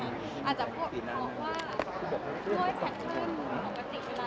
อาจจะพูดว่า